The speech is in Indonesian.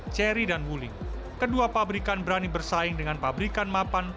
cherry dan wuling kedua pabrikan berani bersaing dengan pabrikan mapan